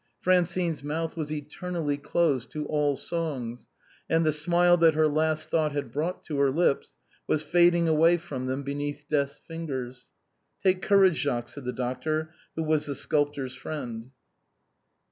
Francine's mouth was eternally closed to all songs, and the smile that her last thought had brought to her lips was fading away from them beneath death's fingers. " Take courage, Jacques," said the doctor, who was the sculptor's friend.